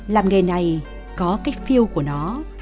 làm nghề này có cái feel của nó